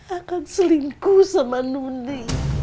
akan selingkuh sama nudi